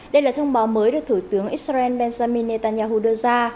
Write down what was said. đây là thông báo mới được thủ tướng israel benjamin netanyahu đưa ra